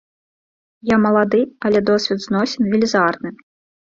Я малады, але досвед зносін велізарны.